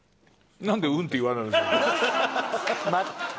なんで「うん」って言わないの？